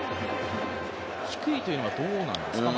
低いというのはどうなんですか？